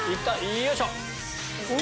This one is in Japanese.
よいしょ！